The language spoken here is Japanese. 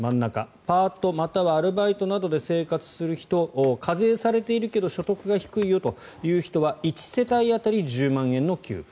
パートまたはアルバイトなどで生活する人、課税されているけど所得が低いよという人は１世帯当たり１０万円の給付。